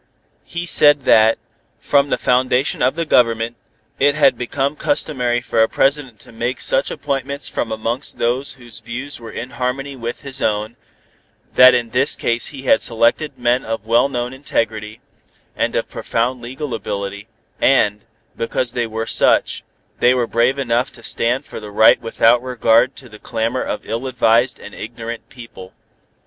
He said that, from the foundation of the Government, it had become customary for a President to make such appointments from amongst those whose views were in harmony with his own, that in this case he had selected men of well known integrity, and of profound legal ability, and, because they were such, they were brave enough to stand for the right without regard to the clamor of ill advised and ignorant people.